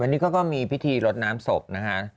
วันนี้เขาก็มีพิธีรดน้ำศพนะคะ